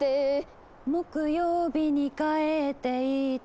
「木曜日に帰っていった」